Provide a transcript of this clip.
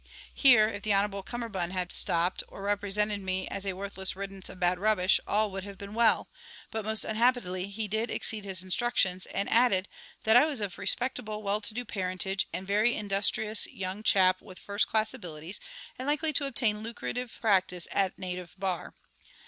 Here, if Hon'ble CUMMERBUND had stopped, or represented me as a worthless riddance of bad rubbish, all would have been well; but most unhappily he did exceed his instructions, and added that I was of respectable, well to do parentage, and very industrious young chap with first class abilities, and likely to obtain lucrative practice at native Bar.